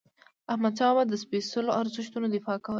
احمدشاه بابا د سپيڅلو ارزښتونو دفاع کوله.